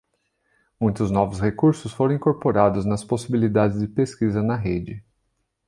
Muitos novos recursos foram incorporados nas possibilidades de pesquisa na rede.